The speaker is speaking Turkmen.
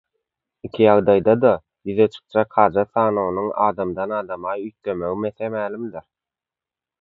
Iki ýagdaýda-da ýüze çykjak hajat sanawynyň adamdan adama üýtgejegi mese-mälimdir.